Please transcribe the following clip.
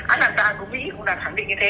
án làm ra của mỹ cũng đã khẳng định như thế